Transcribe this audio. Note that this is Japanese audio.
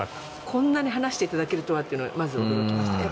こんなに話していただけるとはとまず驚きました。